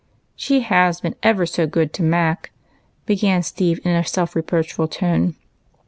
" She has been ever so good to Mac," began Steve, in a self reproachful tone.